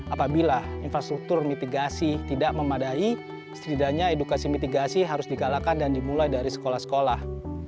apabila infrastruktur mitigasi tidak memadai setidaknya edukasi mitigasi harus digalakan dan dimulai dari sekolah sekolah